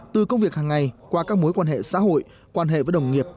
từ công việc hàng ngày qua các mối quan hệ xã hội quan hệ với đồng nghiệp